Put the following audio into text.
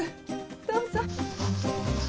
どうぞ。